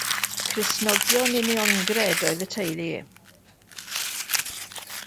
Cristnogion Uniongred oedd y teulu.